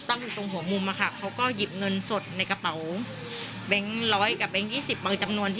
อันนี้มันก็จะต้องแทบกับคนอยู่ข้างต่อ